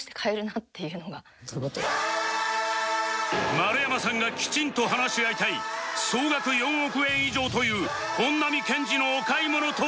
丸山さんがきちんと話し合いたい総額４億円以上という本並健治のお買い物とは？